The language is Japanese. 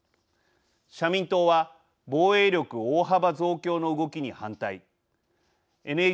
社民党は防衛力大幅増強の動きに反対。